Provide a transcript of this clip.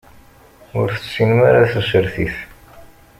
Ur tessinem ara tasertit.